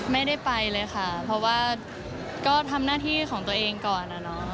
ไม่ได้ไปเลยค่ะเพราะว่าก็ทำหน้าที่ของตัวเองก่อน